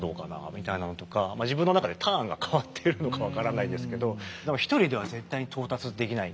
みたいなのとかまあ自分の中でターンが変わっているのか分からないですけど何か一人では絶対に到達できないんで